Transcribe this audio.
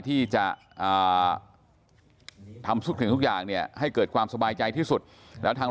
ที่จะทำทุกสิ่งทุกอย่างเนี่ยให้เกิดความสบายใจที่สุดแล้วทาง